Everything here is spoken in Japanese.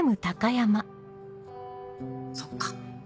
そっか。